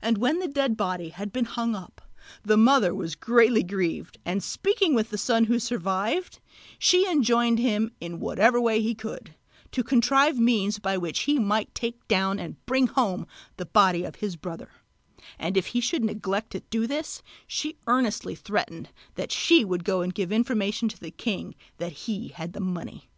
And when the dead body had been hung up, the mother was greatly grieved, and speaking with the son who survived she enjoined him, in whatever way he could, to contrive means by which he might take down and bring home the body of his brother; and if he should neglect to do this, she earnestly threatened that she would go and give information to the king that he had the money.